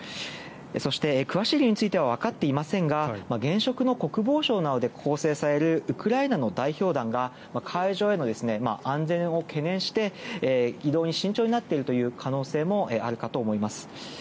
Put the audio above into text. そして、詳しい原因についてはわかっていませんが現職の国防相などで構成されるウクライナの代表団が会場への安全を懸念して移動に慎重になっているという可能性もあるかと思います。